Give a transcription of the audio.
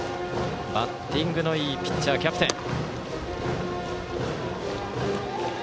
バッティングのいいピッチャーキャプテン。